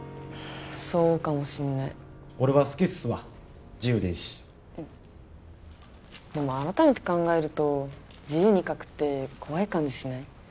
そうかもしんない俺は好きっすわ自由でいいしうんでも改めて考えると自由に描くって怖い感じしない？